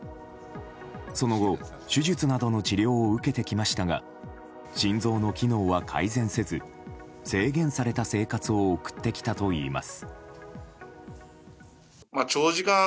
その後、手術などの治療を受けてきましたが心臓の機能は改善せず制限された生活を送ってきたといいます。